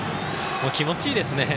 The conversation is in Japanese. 気持ちいいですね。